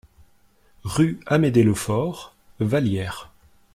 Rue Amédée Lefaure, Vallière